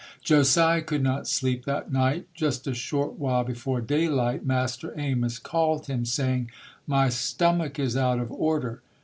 Josiah could not sleep that night. Just a short while before daylight, Master Amos called him, saying, "My stomach is out of order".